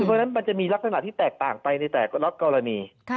เพราะฉะนั้นมันจะมีลักษณะที่แตกต่างไปในแต่ละกรณี